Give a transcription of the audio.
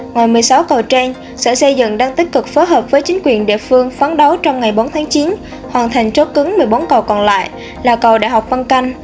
ngoài một mươi sáu cầu trang sở xây dựng đang tích cực phối hợp với chính quyền địa phương phán đấu trong ngày bốn tháng chín hoàn thành trốt cứng một mươi bốn cầu còn lại là cầu đại học văn canh